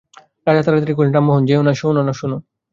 রাজা তাড়াতাড়ি কহিলেন, রামমোহন, যেয়ো না, শোনো শোনো।